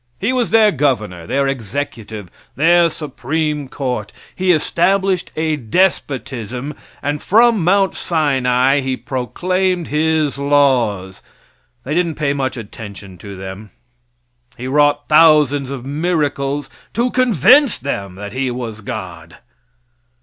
He was their governor, their executive, their supreme court. He established a despotism, and from Mount Sinai He proclaimed His laws. They didn't pay much attention to them. He wrought thousands of miracles to convince them that He was God.